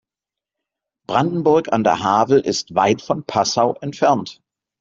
Brandenburg an der Havel ist weit von Passau entfernt